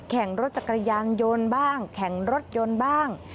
แข่งรถจักรยานยนต์บ้างแข่งรถยนต์บ้าง